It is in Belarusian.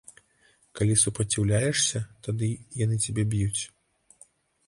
Калі супраціўляешся, тады яны цябе б'юць.